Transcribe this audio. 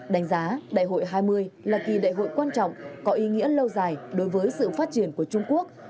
đánh giá đại hội hai mươi là kỳ đại hội quan trọng có ý nghĩa lâu dài đối với sự phát triển của trung quốc